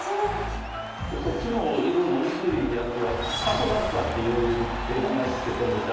こっちの色の薄いやつはカホザクラっていうて名前付けとんです。